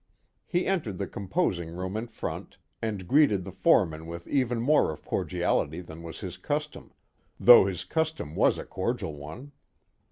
He entered the composing room in front, and greeted the foreman with even more of cordiality than was his custom, though his custom was a cordial one.